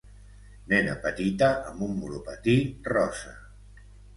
Nena petita amb un monopatí rosa.